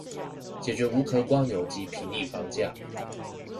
解決無殼蝸牛及平抑房價